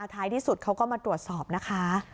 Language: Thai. ท้ายที่สุดเขาก็มาตรวจสอบนะคะ